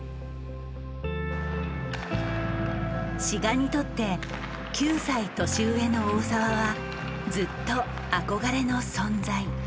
志賀にとって９歳年上の大澤はずっと憧れの存在。